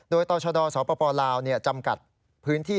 โดยต่อชดสปลาวจำกัดพื้นที่